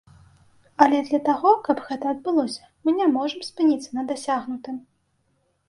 Але для таго, каб гэта адбылося, мы не можам спыніцца на дасягнутым.